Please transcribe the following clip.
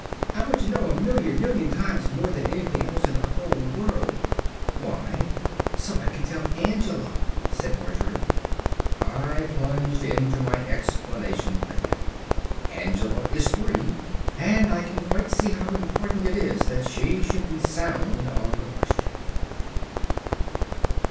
"I want to know a million million times more than anything else in the whole world." "Why?" "So as I can tell Angela," said Margery. I plunged into my explanation again. Angela is three, and I can quite see how important it is that she should be sound on the question.